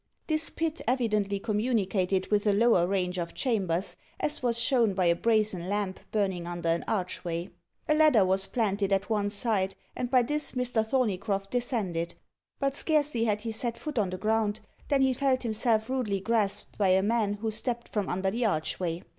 This pit evidently communicated with a lower range of chambers, as was shown by a brazen lamp burning under an archway. A ladder was planted at one side, and by this Mr. Thorneycroft descended, but scarcely had he set foot on the ground, than he felt himself rudely grasped by a man who stepped from under the archway.